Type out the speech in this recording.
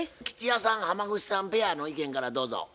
吉弥さん浜口さんペアの意見からどうぞ。